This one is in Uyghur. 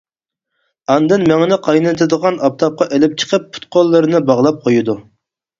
ئاندىن مېڭىنى قاينىتىدىغان ئاپتاپقا ئېلىپ چىقىپ پۇت-قوللىرىنى باغلاپ قويىدۇ.